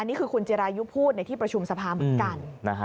นี่คือคุณจิรายุพูดในที่ประชุมสภาเหมือนกัน